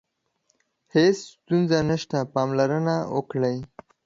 هیڅ ستونزه نشته، پاملرنه وکړئ.